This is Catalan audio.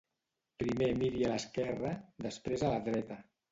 Primer miri a l'esquerra, després a la dreta.